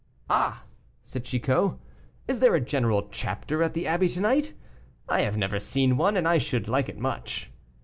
"Ah!" said Chicot, "is there a general chapter at the abbey to night? I have never seen one, and I should like it much."